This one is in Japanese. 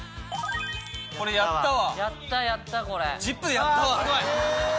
これやったわ。